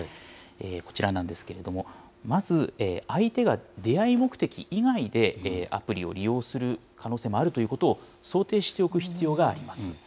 こちらなんですけれども、まず、相手が出会い目的以外でアプリを利用する可能性もあるということを想定しておく必要があります。